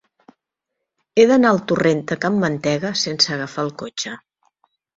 He d'anar al torrent de Can Mantega sense agafar el cotxe.